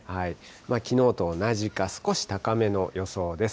きのうと同じか少し高めの予想です。